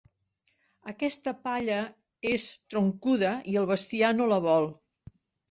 Aquesta palla és troncuda i el bestiar no la vol.